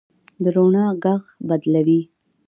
د روڼا ږغ بلوي